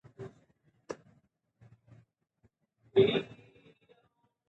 زه باید دا ګړې مطالعه کړم.